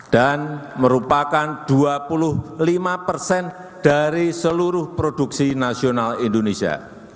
dan merupakan dua puluh lima persen dari seluruh produksi nasional indonesia